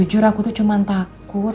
jujur aku tuh cuma takut